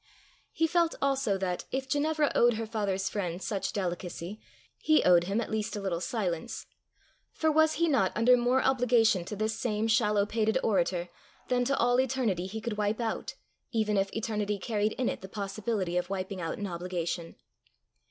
He felt also that, if Ginevra owed her father's friend such delicacy, he owed him at least a little silence; for was he not under more obligation to this same shallow pated orator, than to all eternity he could wipe out, even if eternity carried in it the possibility of wiping out an obligation?